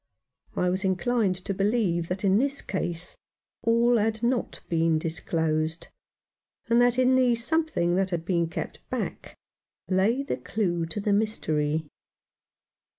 I was inclined to believe that in this case all had not been disclosed, and that in the something that had been kept back lay the clue to the mystery.